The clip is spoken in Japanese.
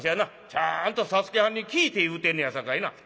ちゃんと佐助はんに聞いて言うてんねやさかいな」。